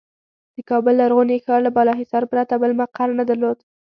د کابل لرغوني ښار له بالاحصار پرته بل مقر نه درلود.